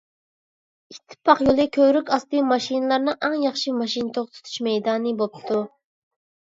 ئىتتىپاق يولى كۆۋرۈك ئاستى ماشىنىلارنىڭ ئەڭ ياخشى ماشىنا توختىتىش مەيدانى بوپتۇ.